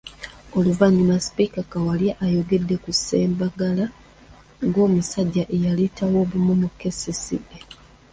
Oluvannyuma Sipiika Kawalya ayogedde ku Sebaggala ng'omusajja eyaleetawo obumu mu KCCA.